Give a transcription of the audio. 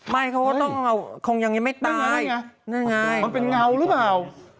ไม่เขาก็ต้องคงยังไม่ตายนั่นไงมันเป็นเงาหรือเปล่า